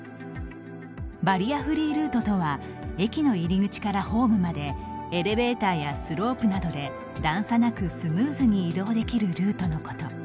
バリアフリールートとは駅の入り口からホームまでエレベーターやスロープなどで段差なくスムーズに移動できるルートのこと。